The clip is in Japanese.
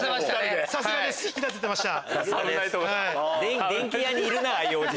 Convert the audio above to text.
さすがです引き出せてました。